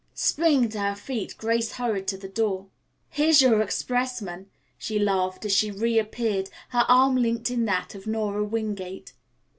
Springing to her feet, Grace hurried to the door. "Here's your expressman," she laughed, as she reappeared, her arm linked in that of Nora Wingate.